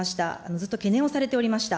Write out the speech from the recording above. ずっと懸念をされておりました。